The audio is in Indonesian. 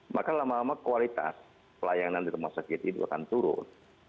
maka lama lama kualitas pelayanan di rumah sakit itu akan turun